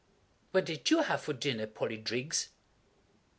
"What did you have for dinner, Polly Driggs?"